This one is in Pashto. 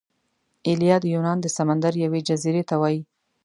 ایلیا د یونان د سمندر یوې جزیرې ته وايي.